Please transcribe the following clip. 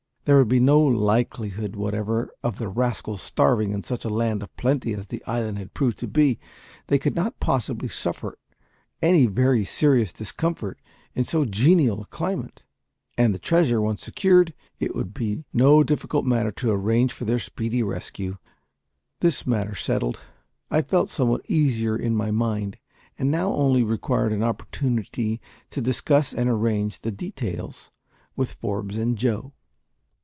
There would be no likelihood whatever of the rascals starving in such a land of plenty as the island had proved to be; they could not possibly suffer any very serious discomfort in so genial a climate; and, the treasure once secured, it would be no difficult matter to arrange for their speedy rescue. This matter settled, I felt somewhat easier in my mind, and now only required an opportunity to discuss and arrange the details with Forbes and Joe.